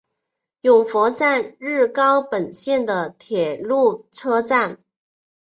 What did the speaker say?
勇拂站日高本线的铁路车站。